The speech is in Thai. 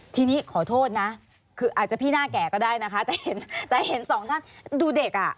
ทีนี้ขอโทษนะคืออาจจะพี่หน้าแก่ก็ได้นะคะแต่เห็นแต่เห็นสองท่านดูเด็กอ่ะ